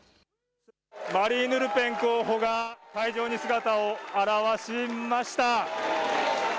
マリーヌ・ルペン候補が会場に姿を現しました。